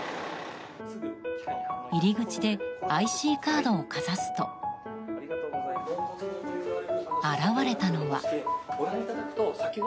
入り口でＩＣカードをかざすと現れたのは。